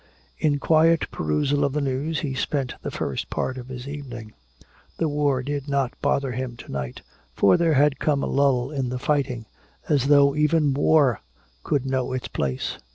In quiet perusal of the news he spent the first part of his evening. The war did not bother him to night, for there had come a lull in the fighting, as though even war could know its place.